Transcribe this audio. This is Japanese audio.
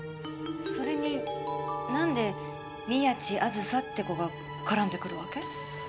それになんで宮地あずさって子が絡んでくるわけ？